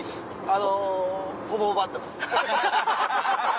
あのほぼほぼ合ってます。